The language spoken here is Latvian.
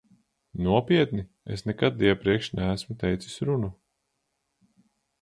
Nopietni, es nekad iepriekš neesmu teicis runu.